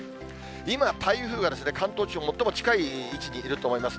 今、台風が関東地方、最も近い位置にいると思います。